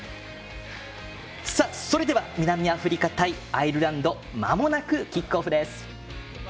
それでは南アフリカ対アイルランドまもなくキックオフです。